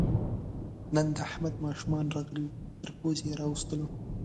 نن د احمد ماشومان راغلي وو، تر پوزې یې راوستلو.